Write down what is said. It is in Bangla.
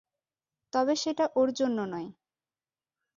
তবে সেটা ওর জন্য নয়।